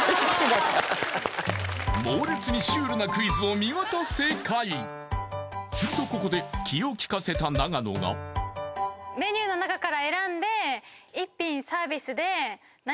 猛烈にシュールなクイズを見事正解するとここで気を利かせた永野が不要な物を有効活用